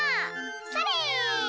それ！